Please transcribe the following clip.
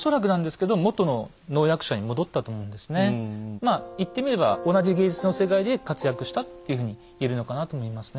まあ言ってみれば同じ芸術の世界で活躍したっていうふうに言えるのかなと思いますね。